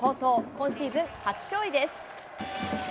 今シーズン初勝利です。